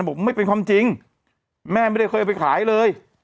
บอกไม่เป็นความจริงแม่ไม่ได้เคยเอาไปขายเลย